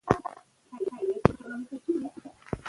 سوله د ټولنیز یووالي لامل کېږي.